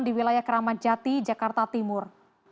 di wilayah keramat jati jakarta timur